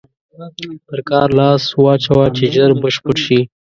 پر کار لاس واچوه چې ژر بشپړ شي.